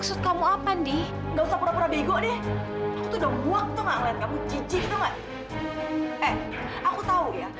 sampai jumpa di video selanjutnya